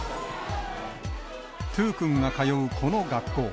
トゥー君が通うこの学校。